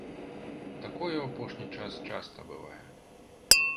Такое ў апошні час часта бывае.